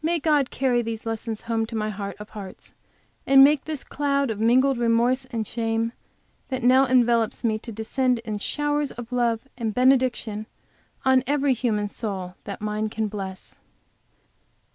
May God carry the lessons home to my heart of hearts, and make the cloud of mingled remorse and shame which now envelops me to descend in showers of love and benediction on every human soul that mine can bless!